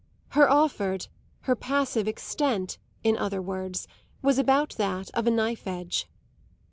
Her offered, her passive extent, in other words, was about that of a knife edge.